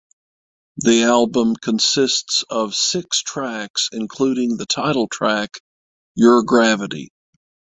The album consists of six tracks including the title track "Your Gravity".